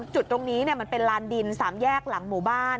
จุดตรงนี้มันเป็นลานดิน๓แยกหลังหมู่บ้าน